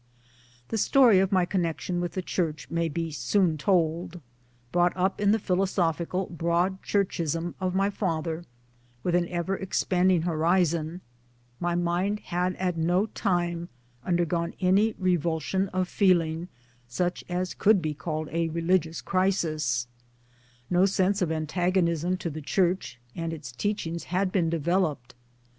The story of my connection with the Church may be soon told. Brought up in the philosophical Broad Churchism of my father, with an ever expanding horizon, my mind had at no time undergone any revulsion of feeling such as could be called a religious crisis ; no sense of antagonism to the Church and its teachings had been developed.